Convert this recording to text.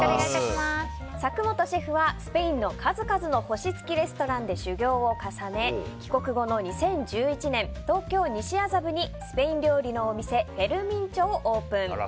作元シェフはスペインの数々の星付きレストランで修業を重ね、帰国後の２０１１年東京・西麻布にスペイン料理のお店フェルミンチョをオープン。